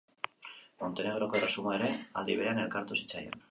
Montenegroko erresuma ere aldi berean elkartu zitzaien.